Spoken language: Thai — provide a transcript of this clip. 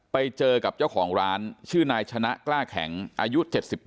ไปเจอกับเจ้าของร้านชื่อนายชนะกล้าแข็งอายุ๗๘